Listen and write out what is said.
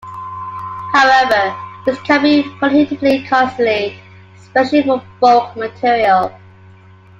However, this can be prohibitively costly, especially for bulk material.